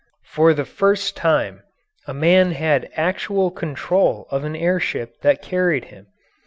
For the first time a man had actual control of an air ship that carried him.